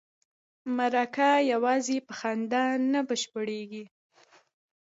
مرکه یوازې په خندا نه بشپړیږي.